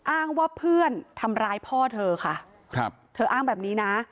อ้างว่าเพื่อนทำร้ายพ่อเธอค่ะครับเธออ้างแบบนี้นะ